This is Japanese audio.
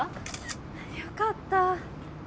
よかった。